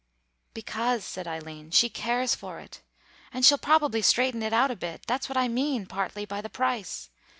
"Because," said Eileen, "she cares for it. And she'll probably straighten it out a bit; that's what I mean, partly, by the price